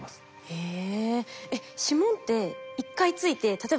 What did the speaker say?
へえ。